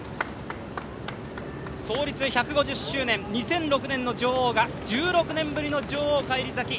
創立１５０周年、２００６年の女王が１６年ぶりの女王返り咲き。